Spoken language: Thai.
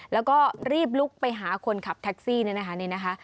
แล้วก็รีบลุกไปหาคนขับแท็กซี่นี่นะคะ